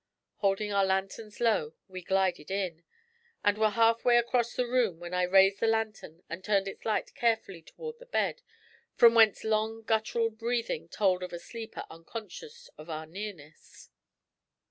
Holding our lanterns low we glided in, and were half way across the room when I raised the lantern and turned its light carefully toward the bed, from whence long guttural breathing told of a sleeper unconscious of our nearness.